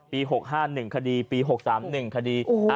๖๕๑คดีปี๖๓๑คดี